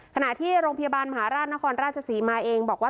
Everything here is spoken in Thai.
ขณะที่โรงพยาบาลมหาราชนครราชศรีมาเองบอกว่า